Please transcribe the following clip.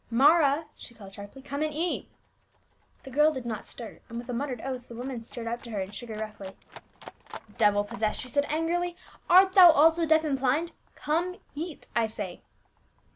Mara !" she called sharply, " come and eat." The girl did not stir, and with a muttered oath the woman strode up to her and shook her roughly. " Devil possessed !" she said angrily. " Art thou also deaf and blind? come eat, I say."